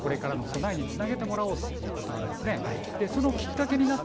これからの備えにつなげてもらおうということなんですね。